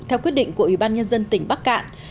theo quyết định của ủy ban nhân dân tỉnh bắc cạn